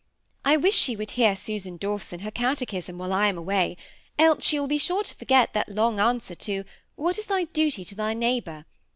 I wish she would hear Susan Dawson her catechism while I am away, else she will be sure to forget that long answer to ^What is thy duty to thy neighbor?'